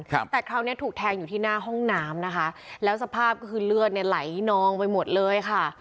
ครับแต่คราวเนี้ยถูกแทงอยู่ที่หน้าห้องน้ำนะคะแล้วสภาพก็คือเลือดเนี่ยไหลนองไปหมดเลยค่ะ